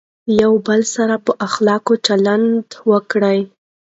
د یو بل سره په اخلاقو چلند وکړئ.